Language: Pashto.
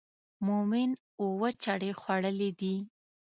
مومن اووه چړې خوړلې دي.